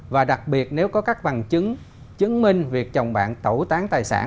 và đặc biệt nếu có các bằng chứng chứng minh việc chồng bạn tẩu tán tài sản